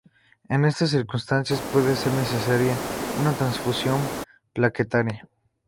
En estas circunstancias puede ser necesaria una transfusión plaquetaria.